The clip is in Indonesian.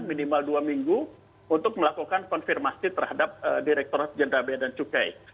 minimal dua minggu untuk melakukan konfirmasi terhadap direktur jendela biacukai